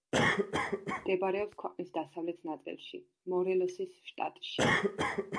მდებარეობს ქვეყნის დასავლეთ ნაწილში, მორელოსის შტატში.